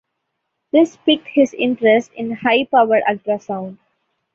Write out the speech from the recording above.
This piqued his interest in high powered ultrasound.